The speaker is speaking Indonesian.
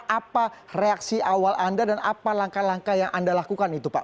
apa reaksi awal anda dan apa langkah langkah yang anda lakukan itu pak